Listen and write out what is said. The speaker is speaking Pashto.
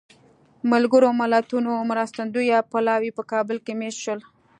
ملګرو ملتونو مرستندویه پلاوی په کابل کې مېشت شول.